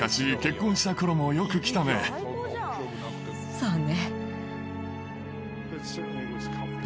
そうね。